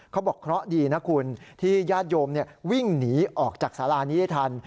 เขาบอกเคราะห์ดีนะคุณที่ญาติโยมวิ่งหนีออกจากสารานี้ได้ทัน